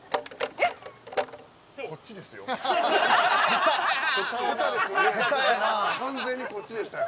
こっちですよ。